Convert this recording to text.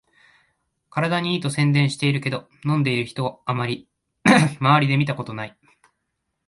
体にいいと宣伝してるけど、飲んでる人まわりで見たことない